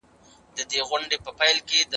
ابن خلدون د قومونو ترمنځ تعامل ته اهمیت ورکوي.